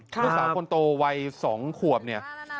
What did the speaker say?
ลูกสาวคนโตวัย๒ขวบเนี่ย